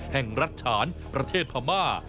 แห่งรัฐฉานประเทศพม่า